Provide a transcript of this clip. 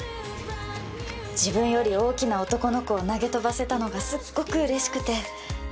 自分より大きな男の子を投げ飛ばせたのがすっごくうれしくて。